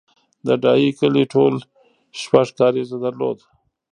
د ډایی کلی ټول شپږ کارېزه درلودل